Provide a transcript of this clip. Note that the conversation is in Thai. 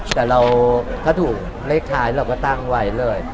แต่เราถ้าถูกเลขท้ายเราก็ตั้งไว้เลย